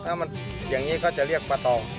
ถ้ามันอย่างนี้ก็จะเรียกป้าตอง